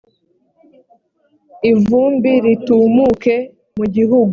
ivumbi ritumuke mu gihugu